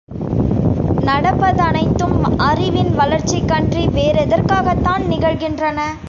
நடப்பதனைத்தும் அறிவின் வளர்ச்சிக்கன்றி வேறெதற்காகத்தான் நிகழ்கின்றன?